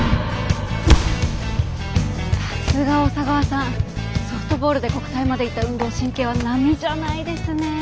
さすが小佐川さんソフトボールで国体まで行った運動神経は並みじゃないですねえ。